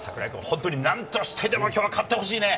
何としてでも、きょうは勝ってほしいね。